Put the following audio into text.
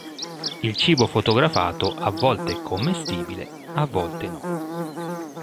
Il cibo fotografato a volte è commestibile, a volte no.